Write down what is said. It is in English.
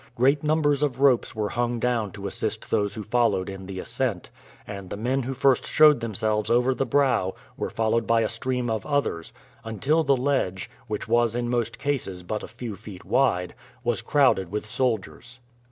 Great numbers of ropes were hung down to assist those who followed in the ascent, and the men who first showed themselves over the brow were followed by a stream of others, until the ledge, which was in most cases but a few feet wide, was crowded with soldiers.